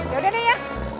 yaudah deh ya